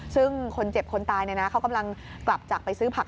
ซึ่งคนเจ็บคนตายเนี่ยนะเขากำลังกลับจากไปซื้อผัก